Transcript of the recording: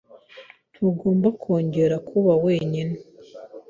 Ntugomba kongera kuba wenyine.